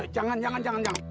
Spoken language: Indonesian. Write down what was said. jangan jangan jangan